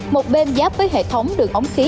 một bên giáp với hệ thống đường ống khí